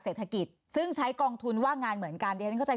เศรษฐกิจซึ่งใช้กองทุนว่างงานเหมือนกันเดี๋ยวฉันเข้าใจ